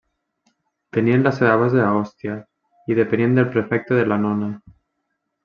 Tenien la seva base a Òstia i depenien del prefecte de l'annona.